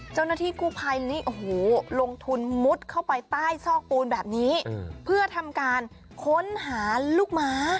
เจ้าหน้าที่กู้ภัยนี่โอ้โหลงทุนมุดเข้าไปใต้ซอกปูนแบบนี้เพื่อทำการค้นหาลูกม้า